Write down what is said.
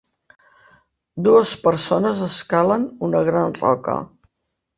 Dues persones escalen una gran roca.